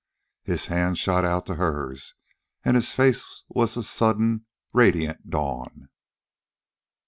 His hand shot out to hers, and his face was a sudden, radiant dawn.